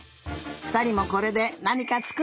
ふたりもこれでなにかつくってみよう。